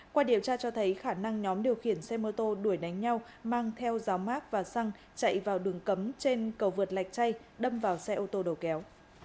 qua điều tra cho thấy khả năng nhóm điều khiển xe mô tô đuổi đánh nhau mang theo giáo mác và xăng chạy vào đường cấm trên cầu vượt lạch chay đâm vào xe ô tô đầu kéo